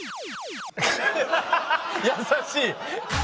優しい。